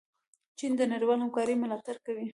چین د نړیوالې همکارۍ ملاتړ کوي.